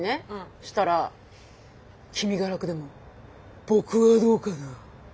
したら「君が楽でも僕はどうかな」だって！